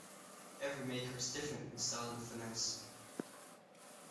Every maker is different in style and finesse.